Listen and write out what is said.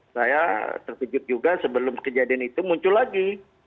saya terkejut juga sebelum kejadian itu muncul lagi